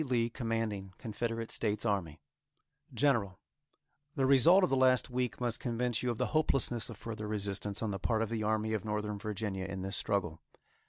Lee, Commanding Confederate States Army:_ GENERAL: The result of the last week must convince you of the hopelessness of further resistance on the part of the Army of Northern Virginia in this struggle.